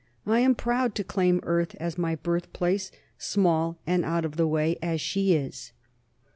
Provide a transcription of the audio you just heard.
I am proud to claim Earth as my birth place, small and out of the way as she is.